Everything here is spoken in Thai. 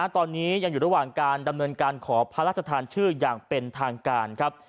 ตอนนี้ยังอยู่ระหว่างการดำเนินการขอพระราชทานชื่ออย่างเป็นทางการครับ